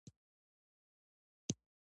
وحشي حیوانات د افغانستان د جغرافیوي تنوع مثال دی.